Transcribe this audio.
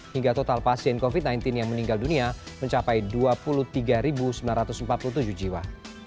hingga total pasien covid sembilan belas yang meninggal dunia mencapai dua puluh tiga sembilan ratus empat puluh tujuh jiwa